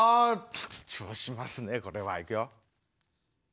緊張しますねこれは。いくよ。